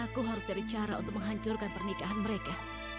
aku harus cari cara untuk menghancurkan pernikahan mereka